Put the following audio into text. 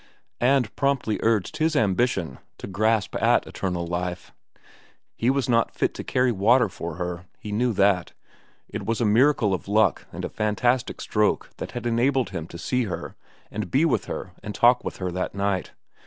And promptly urged his ambition to grasp at eternal life. He was not fit to carry water for her—he knew that; it was a miracle of luck and a fantastic stroke that had enabled him to see her and be with her and talk with her that night.